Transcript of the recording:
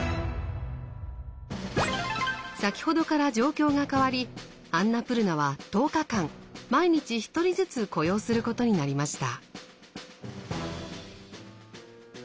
先ほどから状況が変わりアンナプルナは１０日間毎日１人ずつ雇用することになりました。